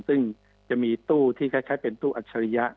ซึ่งจะมีตู้ที่คล้ายเป็นตู้อัจฉริยะ